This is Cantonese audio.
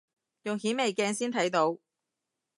用顯微鏡先睇到